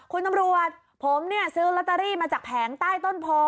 คุณตำรวจผมเนี่ยซื้อลอตเตอรี่มาจากแผงใต้ต้นโพ